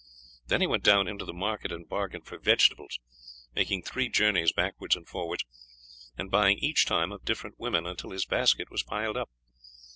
Then he went down into the market and bargained for vegetables, making three journeys backwards and forwards, and buying each time of different women, until his basket was piled up.